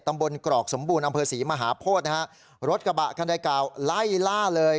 ตำบลกรอกสมบูรณ์อำเภอสีมหาโพธินะฮะรถกระบะข้างใดกล่าวไล่ล่าเลย